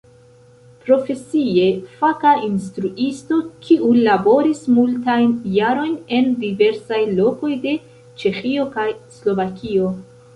Profesie faka instruisto, kiu laboris multajn jarojn en diversaj lokoj de Ĉeĥio kaj Slovakio.